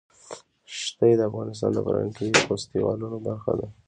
ښتې د افغانستان د فرهنګي فستیوالونو برخه ده.